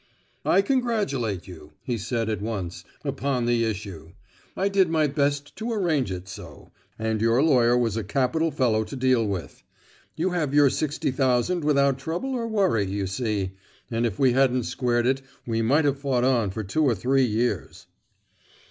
"I congratulate you," he said at once, "upon the issue. I did my best to arrange it so, and your lawyer was a capital fellow to deal with. You have your sixty thousand without trouble or worry, you see; and if we hadn't squared it we might have fought on for two or three years."